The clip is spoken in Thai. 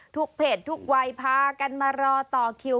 เพจทุกวัยพากันมารอต่อคิว